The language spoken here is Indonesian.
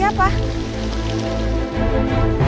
kenapa pasal mpae namanya